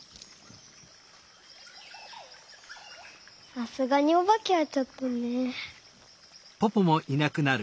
さすがにおばけはちょっとね。